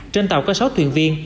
trên tàu có sáu thuyền viên